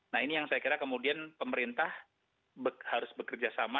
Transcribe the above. nah ini yang saya kira kemudian pemerintah harus bekerja sama